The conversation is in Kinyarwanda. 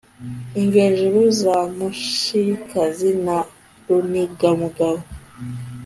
imvejuru za mushikazi na runigamugabo